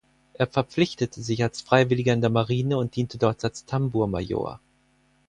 Er verpflichtete sich als Freiwilliger in der Marine und diente dort als Tambourmajor.